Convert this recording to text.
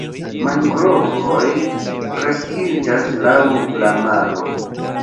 Mangrovoj kreskiĝas laŭ la maro.